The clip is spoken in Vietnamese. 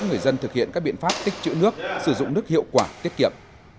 người dân thực hiện các biện pháp tích chữ nước sử dụng nước hiệu quả tiết kiệm